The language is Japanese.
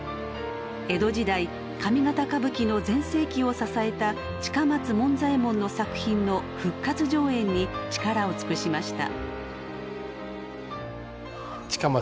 江戸時代上方歌舞伎の全盛期を支えた近松門左衛門の作品の復活上演に力を尽くしました。